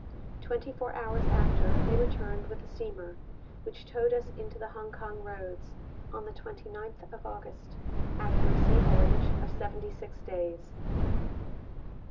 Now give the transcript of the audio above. Twenty four hours after, they returned with a steamer, which towed us into the Hong Kong roads, on the 29th of August, after a sea voyage of seventy six days.